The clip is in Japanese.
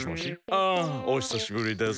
あ！おひさしぶりです。